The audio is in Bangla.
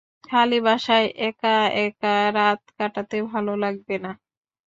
খালি বাসায় এক-একা রাত কাটাতে ভালো লাগবে না।